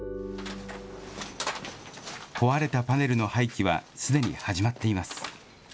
壊れたパネルの廃棄はすでに始まっています。